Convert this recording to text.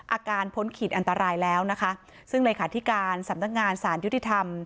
พ้นขีดอันตรายแล้วนะคะซึ่งเลขาธิการสำนักงานสารยุติธรรม